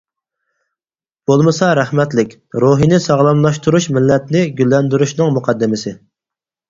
بولمىسا. رەھمەتلىك. روھىنى ساغلاملاشتۇرۇش مىللەتنى گۈللەندۈرۈشنىڭ مۇقەددىمىسى!